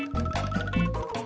menjauh dari keadaan